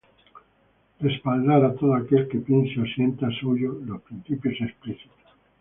Respaldar a todo aquel que piense o sienta suyos los principios explícitos.